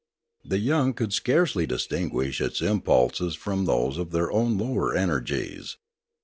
The young could scarcely distinguish its impulses from those of their own lower energies.